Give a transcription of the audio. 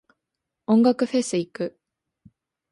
音楽フェス行く。